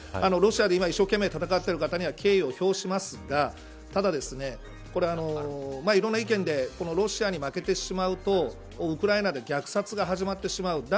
ロシアで今、一生懸命戦っている方には敬意を表しますがただ、いろんな意見でロシアに負けてしまうとウクライナで虐殺が始まってしまう。